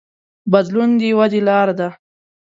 بدلون د ودې لار ده.